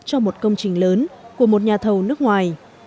cho một công trình lớn của một nhà thầu nước ngoài